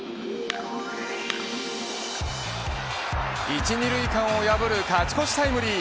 一二塁間を破る勝ち越しタイムリー。